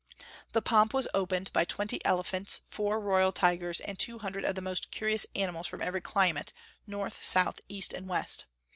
"The pomp was opened by twenty elephants, four royal tigers, and two hundred of the most curious animals from every climate, north, south, east, and west.